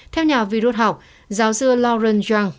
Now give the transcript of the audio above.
theo nhà virus học giáo sư lauren zhang